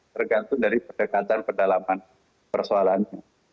tergantung dari kedekatan perdalaman persoalannya